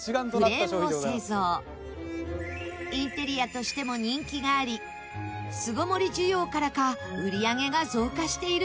インテリアとしても人気があり巣ごもり需要からか売り上げが増加しているんです。